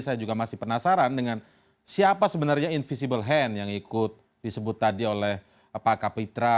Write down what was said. saya juga masih penasaran dengan siapa sebenarnya invisible hand yang ikut disebut tadi oleh pak kapitra